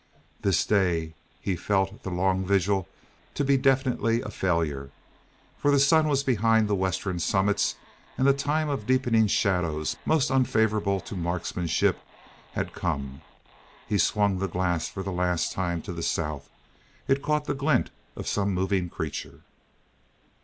This day he felt the long vigil to be definitely a failure, for the sun was behind the western summits and the time of deepening shadows most unfavorable to marksmanship had come. He swung the glass for the last time to the south; it caught the glint of some moving creature.